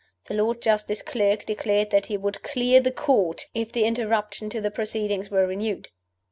The Lord Justice Clerk declared that he would "clear the Court" if the interruption to the proceedings were renewed.